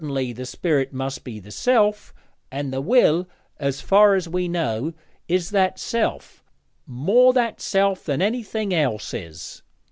'Certainly the spirit must be the self, and the will, as far as we know, is that self more that self than anything else is.'